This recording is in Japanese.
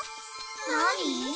なに？